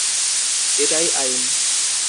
এটাই আইন।